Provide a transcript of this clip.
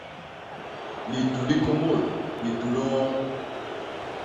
Litu li kômôl, litu li ño?